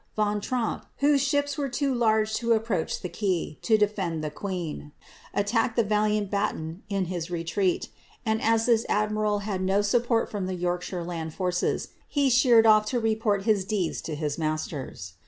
Von Tromp, whose ships were too large o approach the quay to defend the queen, attacked the valiant Batten in lis retreat; and as this admiral had no support from the Yorkshire land brces, he sheered off to report his deeds to his masters.